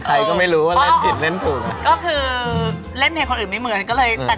ใครก็ไม่รู้ว่าเล่นผิดเล่นถูก